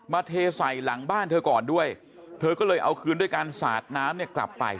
เทใส่หลังบ้านเธอก่อนด้วยเธอก็เลยเอาคืนด้วยการสาดน้ำเนี่ยกลับไป